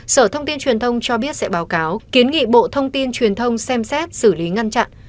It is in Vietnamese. sở thông tin truyền thông cho biết sẽ báo cáo kiến nghị bộ thông tin truyền thông xem xét xử lý ngăn chặn